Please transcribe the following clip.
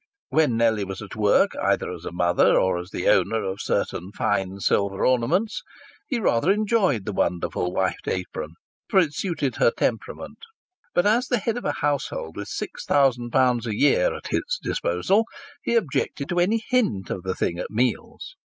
When Nellie was at work, either as a mother or as the owner of certain fine silver ornaments, he rather enjoyed the wonderful white apron, for it suited her temperament; but as the head of a household with six thousand pounds a year at its disposal, he objected to any hint of the thing at meals.